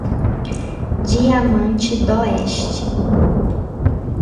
Diamante d'Oeste